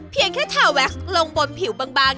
เพียงแค่ทาแว็กซ์ลงบนผิวบาง